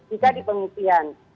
jika di pengungsian